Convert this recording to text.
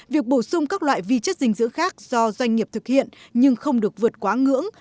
việc bổ sung các loại vi chất dinh dưỡng khác do doanh nghiệp thực hiện nhưng không được vượt quá ngưỡng